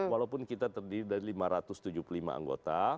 walaupun kita terdiri dari lima ratus tujuh puluh lima anggota